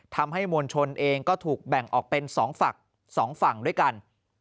ทำให้มวลชนเองก็ถูกแบ่งออกเป็น๒ฝั่ง๒ฝั่งด้วยกัน